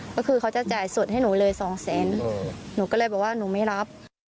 ก็คือเขาจะจ่ายสดให้หนูเลยสองแสนหนูก็เลยบอกว่าหนูไม่รับ